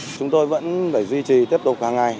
chúng tôi vẫn phải duy trì tiếp tục hàng ngày